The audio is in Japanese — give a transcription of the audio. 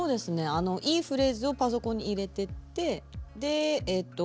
あのいいフレーズをパソコンに入れてってえっと